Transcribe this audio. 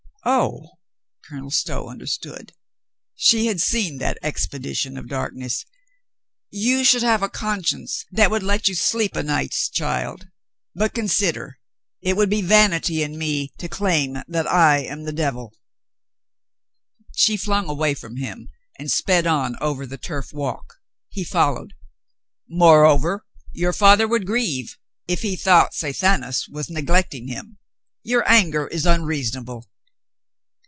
"Oh," Colonel Stow understood. She had seen that expedition of darkness. "You should have a conscience that will let you sleep o' nights, child. But consider : it would be vanity in me to claim that I am the devil." She flung away from him and sped on over the turf walk. He followed. "Moreover, your father would grieve if he thought Sathanas was neglecting him. Your anger is unreasonable."